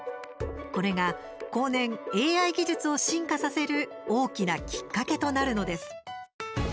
これが後年ＡＩ技術を進化させる大きなきっかけとなるのです。